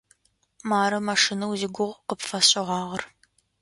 Мары машинэу зигугъу къыпфэсшӏыгъагъэр.